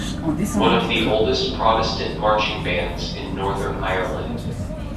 One of the oldest Protestant marching bands in Northern Ireland.